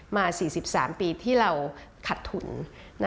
มา๔๓ปีที่เราขัดทุน